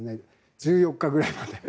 １４日ぐらいまで。